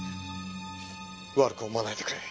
悪く思わないでくれ。